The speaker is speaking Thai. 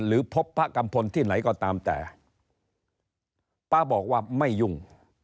หรือพบพระกัมพลที่ไหนก็ตามแต่ป๊าบอกว่าไม่ยุ่ง